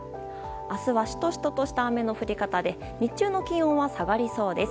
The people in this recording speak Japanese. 明日はシトシトとした雨の降り方で日中の気温は下がりそうです。